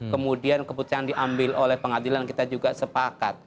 kemudian keputusan diambil oleh pengadilan kita juga sepakat